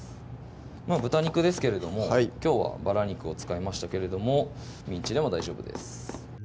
豚肉ですけれどもきょうはバラ肉を使いましたけれどもミンチでも大丈夫です